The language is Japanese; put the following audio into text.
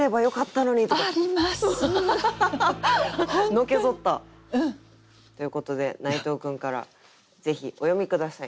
のけぞった。ということで内藤君からぜひお詠み下さい。